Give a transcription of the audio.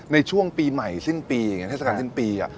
ในช่วงปีใหม่สิ้นปีอย่างนี้เทศกาลสิ้นปี